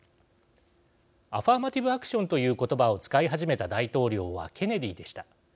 アファーマティブ・アクションという言葉を使い始めた大統領はケネディでした。